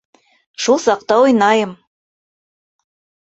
Шул саҡта уйнайым!